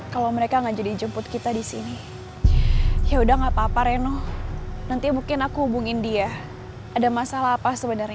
kalau mereka nggak jadi jemput kita disini ya udah nggak papa reno nanti mungkin aku hubungin dia ada masalah apa sebenarnya